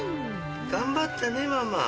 頑張ったねママ。